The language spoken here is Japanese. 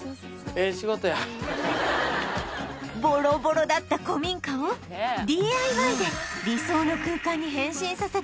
ボロボロだった古民家を ＤＩＹ で理想の空間に変身させた福島さん